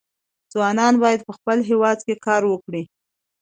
ځوانان باید په خپل هېواد کې کار وکړي.